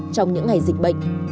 trong những ngày dịch bệnh